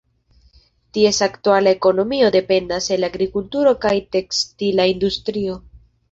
Ties aktuala ekonomio dependas el agrikulturo kaj tekstila industrio.